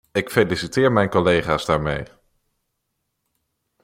Ik feliciteer mijn collega's daarmee.